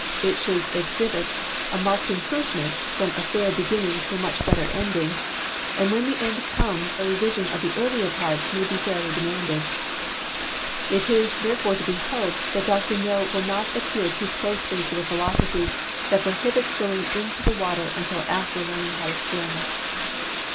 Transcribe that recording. It should exhibit a marked improvement from a fair beginning to a much better ending, and when the end comes a revision of the earlier parts may he fairly demanded. It is, therefore, to be hoi)ed that Dr Mill will not adhere too closely to the philosophy that prohihits going into the water until after learning how to swim.